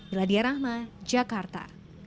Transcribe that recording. iladiyah rahma jakarta